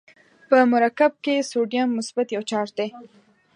په مرکب کې سودیم مثبت یو چارج دی.